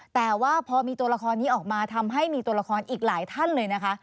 แต่ว่าพอมีตัวละครนี้ออกมาทำให้มีตัวละครอีกหลายท่านเลยนะคะ